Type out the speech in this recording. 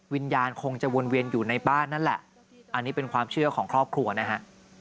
วิญญาณคงจะวนเวียนอยู่ในบ้านนั่นแหละอันนี้เป็นความเชื่อของครอบครัวนะฮะ